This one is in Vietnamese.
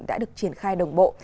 đã được triển khai đồng bộ